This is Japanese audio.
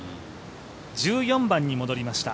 １４番に戻りました。